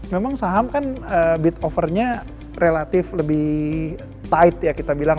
memang saham kan bid overnya relatif lebih tight ya kita bilang